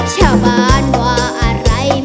ชะบานว่าอะไรมัน